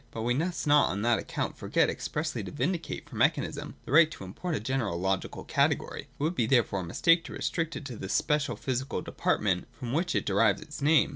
But we must not on that account forget expressly to vindicate for mechanism the VOL. II. z 338 THE DOCTRINE OF THE NOTION. [i95 right and import of a general logical category. It would be, therefore, a mistake to restrict it to the special physical department from which it derives its name.